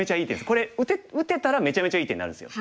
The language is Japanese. これ打てたらめちゃめちゃいい手になるんですよ。